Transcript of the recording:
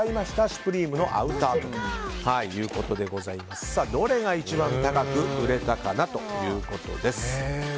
シュプリームのアウターということでどれが一番高く売れたかなということです。